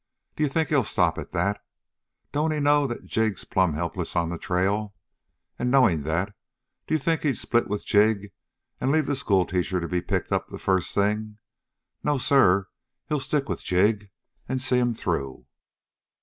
D'you think he'll stop at that? Don't he know that Jig's plumb helpless on the trail? And knowing that, d'you think he'll split with Jig and leave the schoolteacher to be picked up the first thing? No, sir, he'll stick with Jig and see him through."